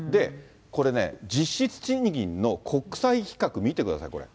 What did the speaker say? これね、実質賃金の国際比較見てください、これ。